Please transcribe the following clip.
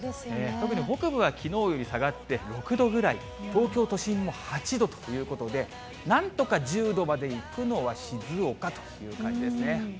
特に北部はきのうより下がって６度ぐらい、東京都心も８度ということで、なんとか１０度までいくのは静岡という感じですね。